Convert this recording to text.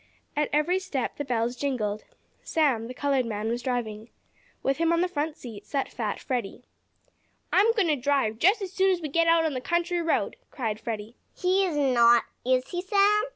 At every step the bells jingled. Sam, the colored man, was driving. With him on the front seat sat fat Freddie. "I'm going to drive, as soon as we get out on the country road!" cried Freddie. "He is not; is he, Sam?"